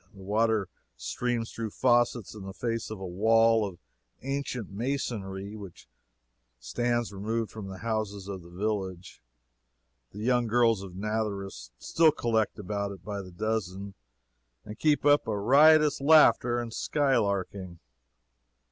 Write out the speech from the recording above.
The water streams through faucets in the face of a wall of ancient masonry which stands removed from the houses of the village. The young girls of Nazareth still collect about it by the dozen and keep up a riotous laughter and sky larking.